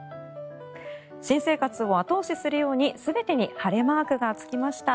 新生活を後押しするように全てに晴れマークがつきました。